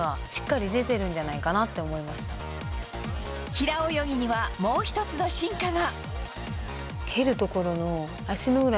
平泳ぎには、もう一つの進化が。